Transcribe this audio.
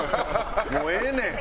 もうええねん。